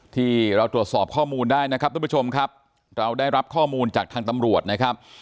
ที่เราตรวจสอบข้อมูลได้นะครับทุกผู้ชมครับเราได้รับข้อมูลจากทางตำรวจนะครับ